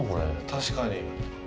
確かに。